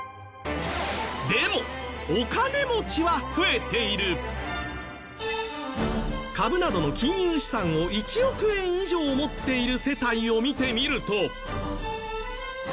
でも株などの金融資産を１億円以上持っている世帯を見てみると。